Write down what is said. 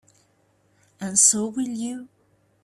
And so will you.